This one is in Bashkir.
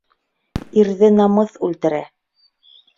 Ирҙе намыҫ үлтерә.